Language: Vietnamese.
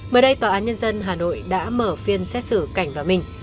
mới đây tòa án nhân dân hà nội đã mở phiên xét xử cảnh và mình